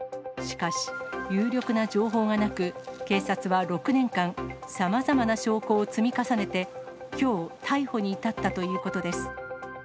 しかし、有力な情報がなく、警察は６年間、さまざまな証拠を積み重ねて、きょう、逮捕に至ったということです。